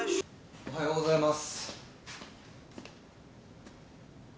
おはようございます。